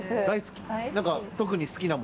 大好き？